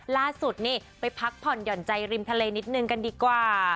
ล่าสุดนี่ไปพักผ่อนหย่อนใจริมทะเลนิดนึงกันดีกว่า